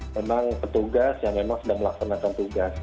memang petugas yang memang sedang melaksanakan tugas